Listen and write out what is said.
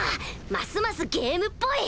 ますますゲームっぽい。